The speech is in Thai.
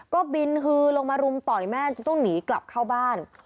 ก็บินฮือลงมารุมต่อยแม่จนต้องหนีกลับเข้าบ้าน